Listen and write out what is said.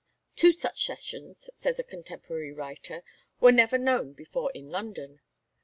"Two such sessions," says a contemporary writer, "were never known before in London."